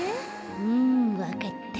うんわかった。